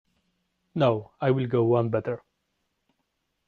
No, I’ll go one better.